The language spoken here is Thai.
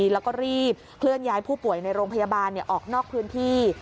แล้วก็รีบเคลื่อนย้ายผู้ป่วยในโรงพยาบาลออกนอกพื้นที่